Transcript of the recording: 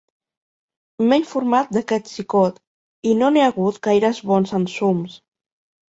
M'he informat d'aquest xicot i no n'he hagut gaires bons ensums.